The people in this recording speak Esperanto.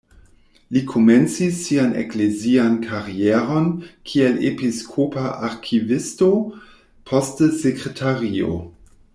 Li komencis sian eklezian karieron kiel episkopa arkivisto, poste sekretario.